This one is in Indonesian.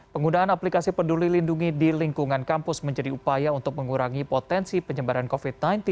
penggunaan aplikasi peduli lindungi di lingkungan kampus menjadi upaya untuk mengurangi potensi penyebaran covid sembilan belas